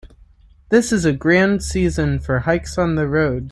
This is a grand season for hikes on the road.